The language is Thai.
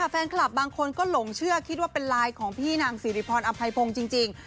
ผมเชื่อคิดว่าเป็นลายของพี่นางสิริพรอภัยพงศ์จริง